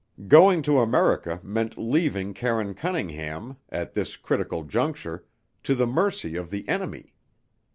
Going to America meant leaving Karine Cunningham, at this critical juncture, to the mercy of the enemy.